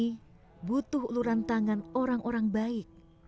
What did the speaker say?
kegak kecil ini butuh lurantangan orang orang baik